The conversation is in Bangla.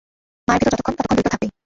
মায়ার ভেতর যতক্ষণ, ততক্ষণ দ্বৈত থাকবেই।